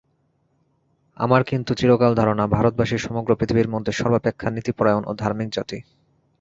আমার কিন্তু চিরকাল ধারণা, ভারতবাসীই সমগ্র পৃথিবীর মধ্যে সর্বাপেক্ষা নীতিপরায়ণ ও ধার্মিক জাতি।